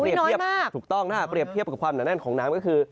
เทียบถูกต้องถ้าเปรียบเทียบกับความหนาแน่นของน้ำก็คือ